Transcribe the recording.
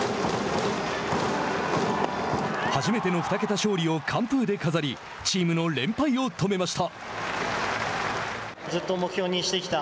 初めての２桁勝利を完封で飾りチームの連敗を止めました。